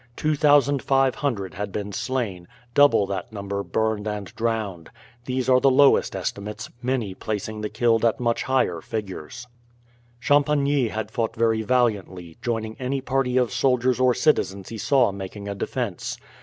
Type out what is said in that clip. Two thousand five hundred had been slain, double that number burned and drowned. These are the lowest estimates, many placing the killed at very much higher figures. Champagny had fought very valiantly, joining any party of soldiers or citizens he saw making a defence.